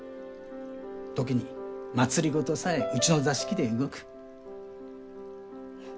時に政さえうちの座敷で動く。